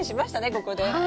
ここで。